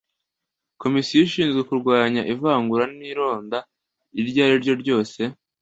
komisiyo ishinzwe kurwanya ivangura n’ ironda iryo ariryo ryose